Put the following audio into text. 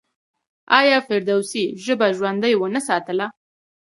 آیا فردوسي ژبه ژوندۍ ونه ساتله؟